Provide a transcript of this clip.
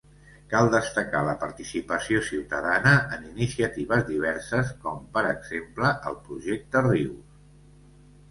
Cal destacar la participació ciutadana en iniciatives diverses com, per exemple, el Projecte Rius.